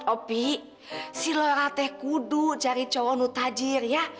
opi si lo rateh kudu cari cowok nutajir ya